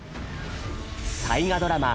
大河ドラマ